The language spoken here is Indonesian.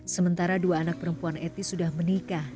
sementara dua anak perempuan etis sudah menikah